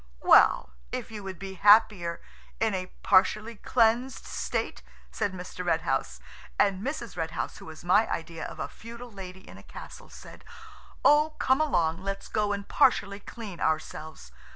"Well, if you would be happier in a partially cleansed state?" said Mr. Red House. And Mrs. Red House, who is my idea of a feudal lady in a castle, said, "Oh, come along, let's go and partially clean ourselves.